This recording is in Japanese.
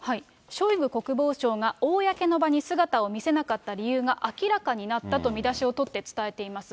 ショイグ国防相が公の場に姿を見せなかった理由が明らかになったと見出しを取って伝えています。